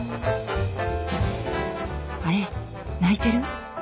あれ泣いてる！